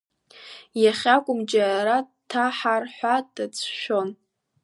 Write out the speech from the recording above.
Иахьакәым џьара дҭаҳар ҳәа дацәшәон.